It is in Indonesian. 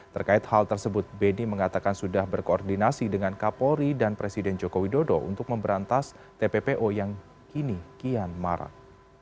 terkait hal tersebut beni mengatakan sudah berkoordinasi dengan kapolri dan presiden joko widodo untuk memberantas tppo yang kini kian marak